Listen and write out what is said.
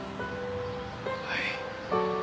はい。